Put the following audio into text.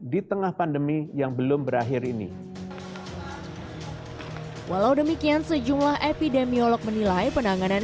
di tengah pandemi yang belum berakhir ini walau demikian sejumlah epidemiolog menilai penanganan